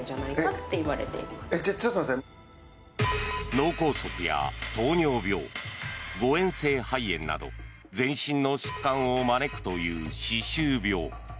脳梗塞や糖尿病誤嚥性肺炎など全身の疾患を招くという歯周病。